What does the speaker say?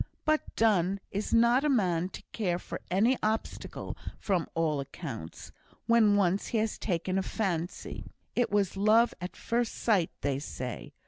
But Donne is not a man to care for any obstacle, from all accounts, when once he has taken a fancy. It was love at first sight, they say.